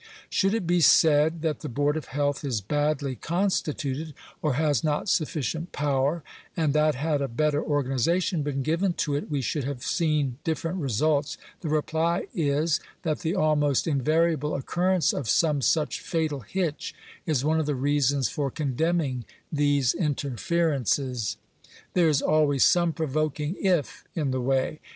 Should it be said that the Board of Health is badly consti tuted, or has not sufficient power, and that had a better organ ization been given to it we should have seen different results, the reply is, that the almost invariable occurrence of some such fatal hitch is one of the reasons for condemning these inter ferences. There is always some provoking if in the way.